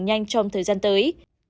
nhanh trong thời gian tới